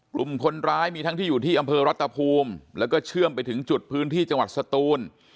กลุ่มคนร้ายมีทั้งที่อยู่ที่อำเภอรัตภูมิแล้วก็เชื่อมไปถึงจุดพื้นที่จังหวัดสตูน